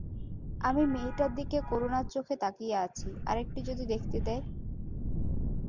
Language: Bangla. আমি মেয়েটার দিকে করুণার চোখে তাকিয়ে আছি, আরেকটু যদি দেখতে দেয়।